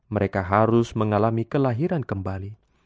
mereka harus mengalami kelahiran kembali